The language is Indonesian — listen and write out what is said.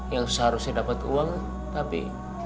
yang seharusnya dapat uang tapi